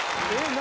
何？